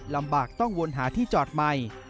ลำบากต้องวนหาที่จอดใหม่